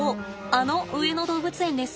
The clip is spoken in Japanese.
あの上野動物園です。